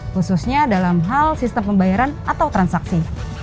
khususnya dalam hal sistem pembayaran atau transaksi